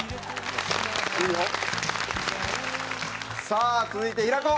さあ続いて平子。